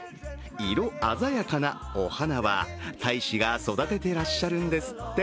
色鮮やかなお花は大使が育ててらっしゃるんですって。